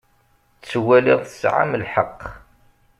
Ttwaliɣ tesɛam lḥeqq.